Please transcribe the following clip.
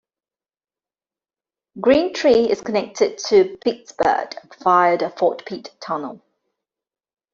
Green Tree is connected to Pittsburgh via the Fort Pitt Tunnel.